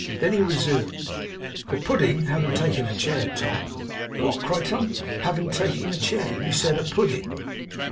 Then he resumed: 'The pudding having taken a chair, Tom ' 'What!' cried Tom. 'Having taken a chair.' 'You said a pudding.